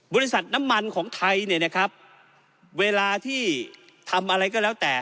บริษัทน้ำมันของไทยเนี่ยนะครับเวลาที่ทำอะไรก็แล้วแต่